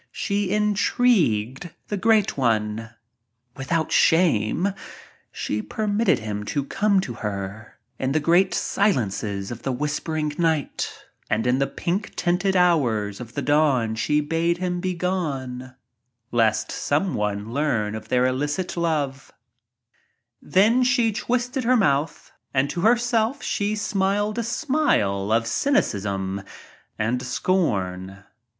She intrieued the Great One shame she permitted him to come to her in the great silences of the whispering night; and in the pink tinted hours of the dawn she bade him begone lest someone learn of their illicit love. THE GREAT LETTY 39 % Then she twisted her mouth and to herself she smiled a smile of cynicism and scorn.